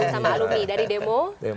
sama alumni dari demo